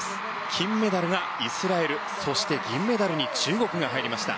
金メダルがイスラエルそして銀メダルに中国が入りました。